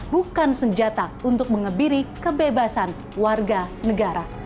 bukan senjata untuk mengebiri kebebasan warga negara